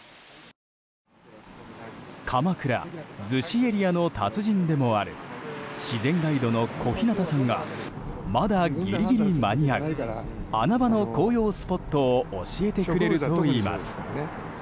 鎌倉・逗子エリアの達人でもある自然ガイドの小日向さんがまだギリギリ間に合う穴場の紅葉スポットを教えてくれるといいます。